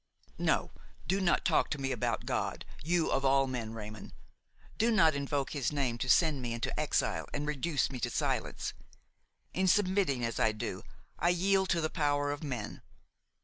"No, do not talk to me about God, you of all men, Raymon; do not invoke His name to send me into exile and reduce me to silence. In submitting as I do I yield to the power of men.